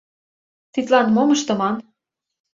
Тидлан мом ыштыман?